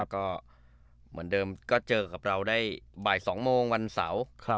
ก็เหมือนเดิมก็เจอกับเราได้บ่าย๒โมงวันเสาร์